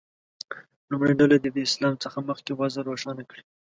لومړۍ ډله دې د اسلام څخه مخکې وضع روښانه کړي.